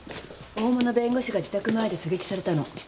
大物弁護士が自宅前で狙撃されたの。